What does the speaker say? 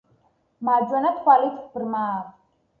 მარჯვენა თვალით ბრმაა.